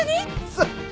そう。